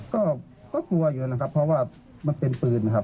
ก็กลัวอยู่นะครับเพราะว่ามันเป็นปืนนะครับ